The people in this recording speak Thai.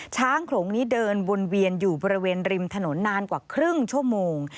โขลงนี้เดินวนเวียนอยู่บริเวณริมถนนนานกว่าครึ่งชั่วโมง